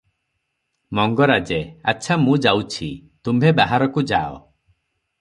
ମଙ୍ଗରାଜେ: ଆଚ୍ଛା ମୁଁ ଯାଉଛି, ତୁମ୍ଭେ ବାହାରକୁ ଯାଅ ।